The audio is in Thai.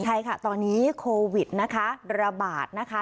ใช่ค่ะตอนนี้โควิดนะคะระบาดนะคะ